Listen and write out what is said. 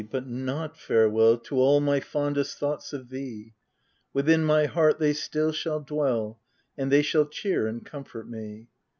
but not farewell To all my fondest thoughts of thee : Within my heart they still shall dwell ; And they shall cheer and comfort me.